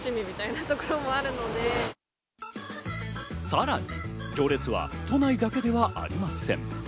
さらに行列は都内だけではありません。